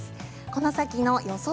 この先の予想